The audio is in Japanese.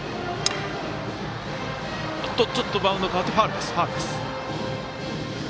バウンド変わってファウルです。